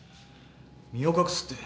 身を隠すって。